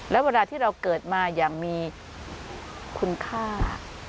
และเวลาที่เราเกิดมาอย่างมีคุณค่า